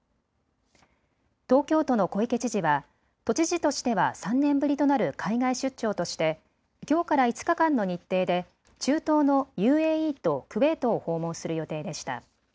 東京都の小池知事は都知事としては３年ぶりとなる海外出張としてきょうから５日間の日程で中東のＵＡＥとクウェートを訪問する予定でした。